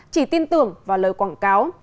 chỉ tin tưởng vào lời quảng cáo